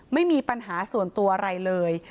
ไม่มีปัญหาส่วนตัวอะไรเลย